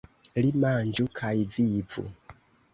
Li manĝu kaj vivu!